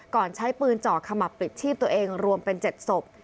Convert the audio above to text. ใช้ปืนเจาะขมับปลิดชีพตัวเองรวมเป็น๗ศพ